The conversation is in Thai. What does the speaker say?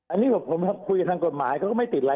อันนี้ผมคุยกับทางกฎหมายเขาก็ไม่ติดอะไร